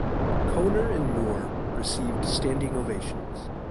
Kohner and Moore received standing ovations.